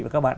và các bạn